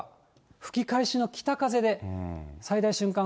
吹き返しの北風で最大瞬間